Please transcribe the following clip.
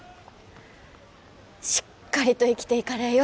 しっかりと生きていかれえよ。